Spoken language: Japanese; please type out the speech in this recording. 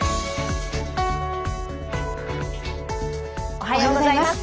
おはようございます。